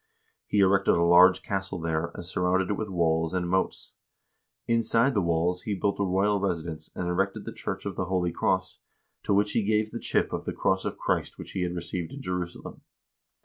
He erected a large castle there, and surrounded it with walls and moats. Inside the walls he built a royal residence, and erected the church of the Holy Cross, to which he gave the chip of the cross of Christ which he had received in Jerusalem.